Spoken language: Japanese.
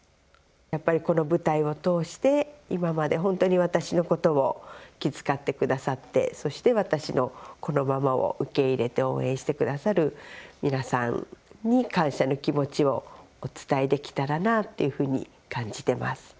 やっぱり、この舞台を通して今まで本当に私のことを気遣ってくださってそして私のこのままを受け入れて応援してくださる皆さんに感謝の気持ちをお伝えできたらなっていうふうに感じてます。